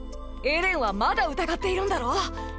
エレンはまだ疑っているんだろう